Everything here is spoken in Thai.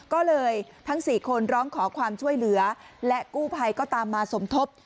ก็เลยทั้ง๔คนร้องขอความช่วยเหลือและกู้ภัยก็ตามมาสมทบ